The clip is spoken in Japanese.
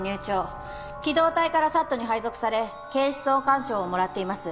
機動隊からＳＡＴに配属され警視総監賞をもらっています。